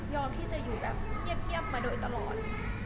ที่จะอยู่แบบเงียบมาโดยตลอด